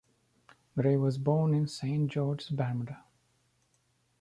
Gray was born in Saint George's, Bermuda.